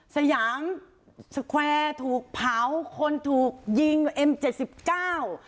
สยามสแควร์ถูกเผาคนถูกยิงเอ็มเจ็ดสิบเก้า